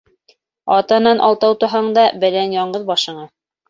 Атанан алтау тыуһаң да, бәләң яңғыҙ башыңа.